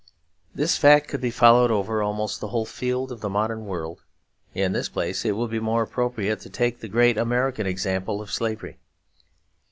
This fact could be followed over almost the whole field of the modern world; in this place it will be more appropriate to take the great American example of slavery.